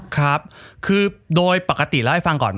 ครับคือโดยปกติเล่าให้ฟังก่อน